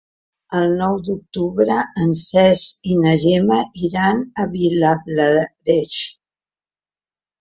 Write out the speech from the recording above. El nou d'octubre en Cesc i na Gemma iran a Vilablareix.